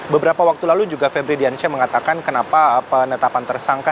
beberapa waktu lalu juga febri diansyah mengatakan kenapa penetapan tersangka